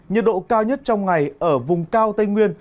nhiệt độ cao nhất trong ngày ở vùng cao tây nguyên